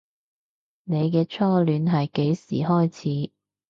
你嘅初戀係幾時開始